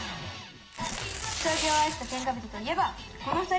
将棋を愛した天下人といえばこの２人！